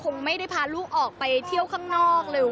คงไม่ได้พาลูกออกไปเที่ยวข้างนอกเลย